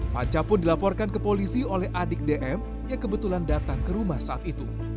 panca pun dilaporkan ke polisi oleh adik dm yang kebetulan datang ke rumah saat itu